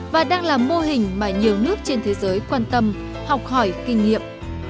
và đang là mô hình mà nhiều nước trên thế giới quan tâm học hỏi kinh nghiệm